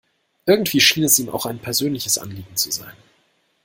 Irgendwie schien es ihm auch ein persönliches Anliegen zu sein.